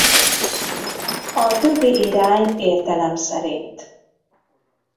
A többi irány értelem szerint.